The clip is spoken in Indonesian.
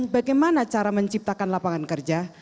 bagaimana cara menciptakan lapangan kerja